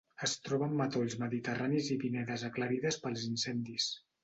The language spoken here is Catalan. Es troba en matolls mediterranis i pinedes aclarides pels incendis.